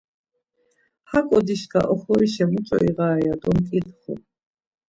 Haǩo dişka oxorişa muç̌o iğare ya do mǩitxu.